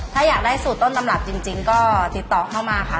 ถ้าอยากได้สูตรต้นตำรับจริงก็ติดต่อเข้ามาค่ะ